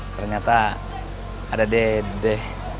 ternyata ada dede